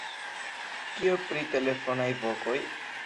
Kio pri telefonaj vokoj?